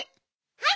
はい！